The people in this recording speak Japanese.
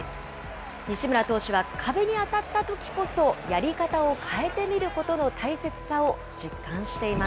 西村投手は壁に当たったときこそ、やり方を変えてみることの大切さを実感しています。